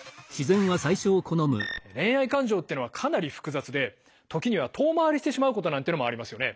恋愛感情ってのはかなり複雑で時には遠回りしてしまうことなんていうのもありますよね。